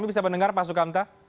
bisa pendengar pak sukamta